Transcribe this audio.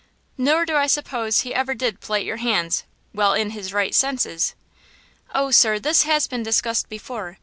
"Nor do I suppose he ever did plight your hands–while in his right senses!" "Oh, sir, this has been discussed before.